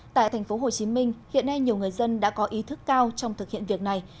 tại tp hcm hiện nay nhiều người dân đã có ý thức cao trong thực hiện việc này